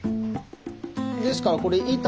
ですからこれ板。